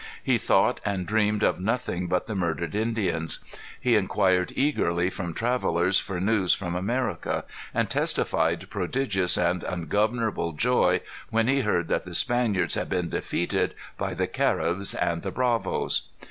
He thought and dreamed of nothing but the murdered Indians. He inquired eagerly from travellers for news from America, and testified prodigious and ungovernable joy when he heard that the Spaniards had been defeated by the Caribs and the Bravos.